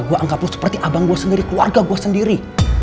gue anggaplah seperti abang gue sendiri keluarga gue sendiri